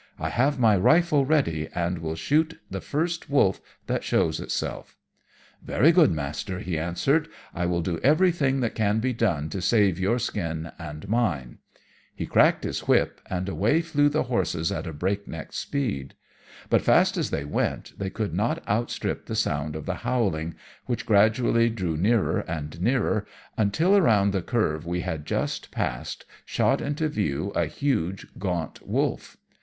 I have my rifle ready, and will shoot the first wolf that shows itself.' "'Very good, master,' he answered. 'I will do everything that can be done to save your skin and mine.' He cracked his whip, and away flew the horses at a breakneck speed. But fast as they went, they could not outstrip the sound of the howling, which gradually drew nearer and nearer, until around the curve we had just passed shot into view a huge gaunt wolf.